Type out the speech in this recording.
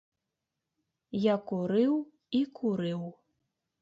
Я курыў і курыў.